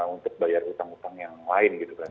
untuk bayar utang utang yang lain gitu kan